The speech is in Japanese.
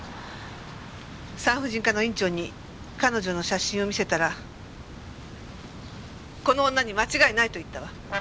産婦人科の院長に彼女の写真を見せたらこの女に間違いないと言ったわ。